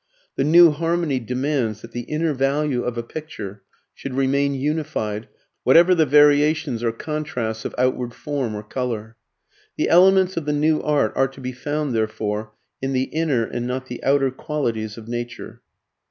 The new harmony demands that the inner value of a picture should remain unified whatever the variations or contrasts of outward form or colour. The elements of the new art are to be found, therefore, in the inner and not the outer qualities of nature.